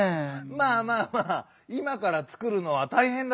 まあまあまあいまからつくるのはたいへんだろう！